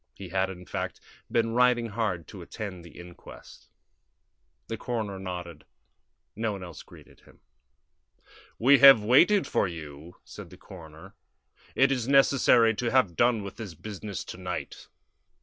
He had, in fact, been riding hard to attend the inquest. The coroner nodded; no one else greeted him. "We have waited for you," said the coroner. "It is necessary to have done with this business to night."